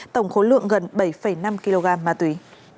tổng khối lượng gần bảy năm kg ma túy